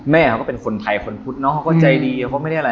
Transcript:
แม่เขาก็เป็นคนไทยคนพุทธเนาะเขาก็ใจดีเขาไม่ได้อะไร